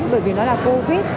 bởi vì nó là covid